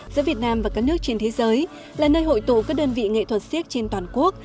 giữa việt nam và các nước trên thế giới là nơi hội tụ các đơn vị nghệ thuật siếc trên toàn quốc